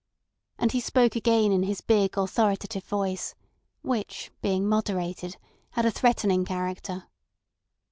And he spoke again in his big authoritative voice, which, being moderated, had a threatening character.